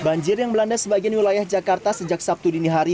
banjir yang melanda sebagian wilayah jakarta sejak sabtu dini hari